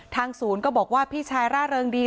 ศูนย์ก็บอกว่าพี่ชายร่าเริงดี